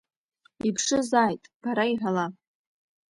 Иԥшызааит, бара иҳәала.